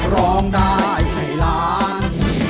ร้องได้ให้ล้าน